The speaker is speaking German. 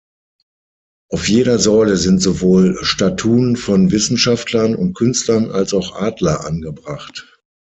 Auf jeder Säule sind sowohl Statuen von Wissenschaftlern und Künstlern als auch Adler angebracht.